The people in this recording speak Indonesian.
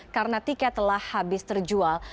karena tiket telah habis terjual